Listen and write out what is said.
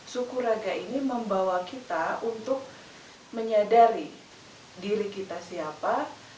sukuraga ini membawa kita untuk menyadari diri kita siapa